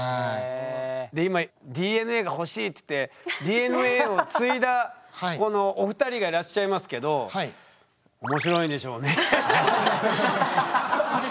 で今ＤＮＡが欲しいって言ってＤＮＡを継いだこのお二人がいらっしゃいますけどそうですね。